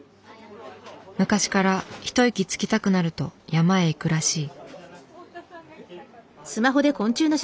昔から一息つきたくなると山へ行くらしい。